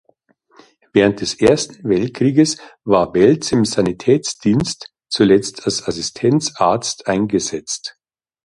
Während des Ersten Weltkrieges war Weltz im Sanitätsdienst, zuletzt als Assistenzarzt, eingesetzt.